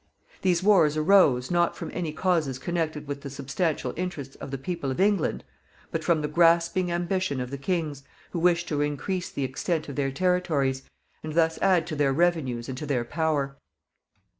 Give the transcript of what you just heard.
These wars arose, not from any causes connected with the substantial interests of the people of England, but from the grasping ambition of the kings, who wished to increase the extent of their territories, and thus add to their revenues and to their power.